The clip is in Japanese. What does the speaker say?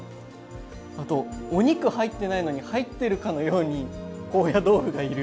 あとお肉入ってないのに入ってるかのように高野豆腐がいる。